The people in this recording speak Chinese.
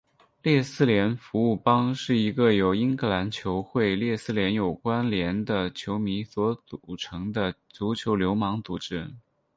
列斯联服务帮是一个由英格兰球会列斯联有关连的球迷所组成的足球流氓组织。